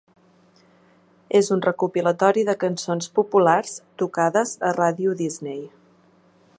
És un recopilatori de cançons populars tocades a Radio Disney.